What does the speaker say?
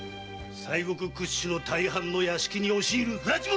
西国屈指の大藩の屋敷に押し入る不埒者っ！